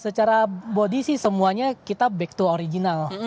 secara bodi sih semuanya kita back to original